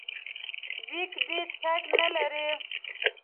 بیک دې ټک نه لري.